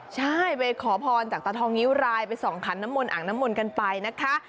ใช่ไปขอพรจากตาทองนิ้วรายไปส่องขันน้ำมนอ่างน้ำมนต์กันไปนะคะ